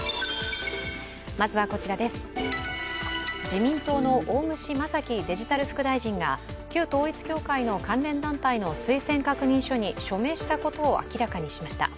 自民党の大串正樹デジタル副大臣が旧統一教会の関連団体の推薦確認書に署名したことを明らかにしました。